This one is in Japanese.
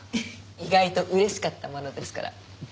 意外と嬉しかったものですから。